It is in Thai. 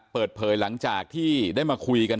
เปิดเผยหลังจากที่ได้มาคุยกัน